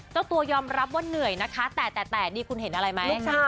เจ้าตัวยอมรับว่าเหนื่อยนะคะแต่นี่คุณเห็นอะไรไหม